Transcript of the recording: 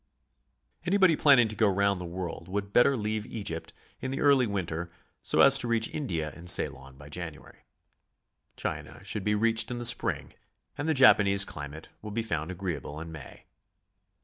Anybody planning to go round the world would better leave Egypt in the early winter, so as to reaoh India and Ceylon by January. China should be reached in the spring, and the Japanese climate will be found agreeable in May.